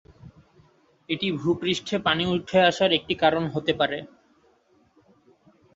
এটি ভূপৃষ্ঠে পানি উঠে আসার একটি কারণ হতে পারে।